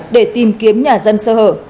để tìm kiếm nhà dân sơ hở